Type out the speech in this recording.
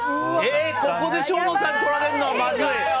ここで生野さんに取られるのはまずい。